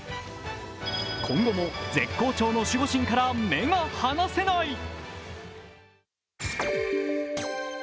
今後も絶好調の守護神から目が離せない。